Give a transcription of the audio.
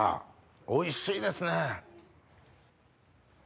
おいしいですね！